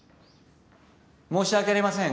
申し訳ありません。